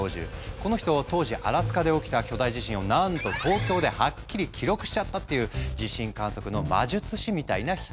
この人当時アラスカで起きた巨大地震をなんと東京ではっきり記録しちゃったという地震観測の魔術師みたいな人。